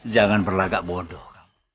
jangan berlagak bodoh